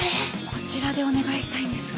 こちらでお願いしたいんですが。